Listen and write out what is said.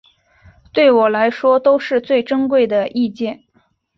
对我来说都是最珍贵的意见